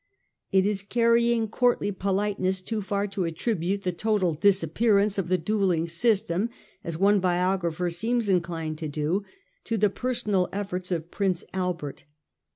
It is carrying courtly politeness too far to attribute the total disappearance of the duelling system, as one biographer seems inclined to do, to the personal efforts of Prince Albert.